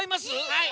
はい！